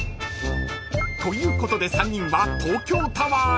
［ということで３人は東京タワーへ］